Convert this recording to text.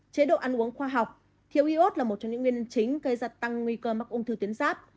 chế độ ăn uống khoa học thiếu iốt là một trong những nguyên chính gây gia tăng nguy cơ mắc ung thư tuyến giáp